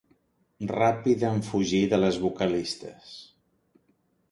Ràpida en fugir de les vocalistes.